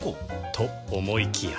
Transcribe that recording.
と思いきや